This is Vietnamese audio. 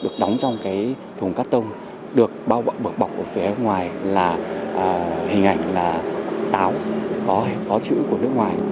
được đóng trong cái thùng cắt tông được bao bọc bọc phía ngoài là hình ảnh là táo có chữ của nước ngoài